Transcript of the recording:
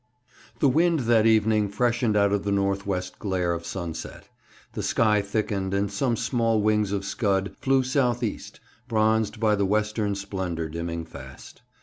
The wind that evening freshened out of the north west glare of sunset. The sky thickened, and some small wings of scud flew south east, bronzed by the western splendour dimming fast.